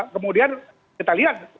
kemudian kita lihat